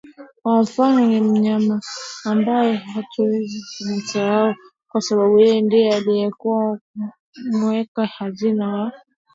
Kwa mfano ni mmanyema ambae hatuwezi kumsahau kwasababu yeye ndie aliyekuwa muweka hazina wa